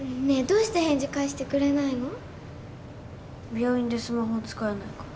病院でスマホ使えないから。